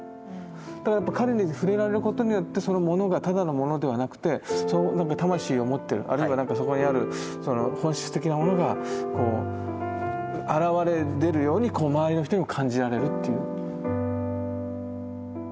だからやっぱ彼に触れられることによってそのモノがただのモノではなくてなんか魂を持ってるあるいはなんかそこにある本質的なものがこう現れ出るように周りの人にも感じられるっていう。